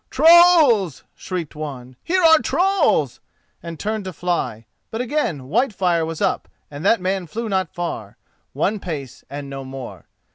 "Trolls!" shrieked one. "Here are trolls!" and turned to fly. But again Whitefire was up and that man flew not far—one pace, and no more.